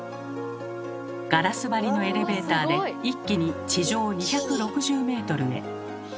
ガラス張りのエレベーターで一気に地上２６０メートルへ。